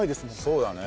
そうだね。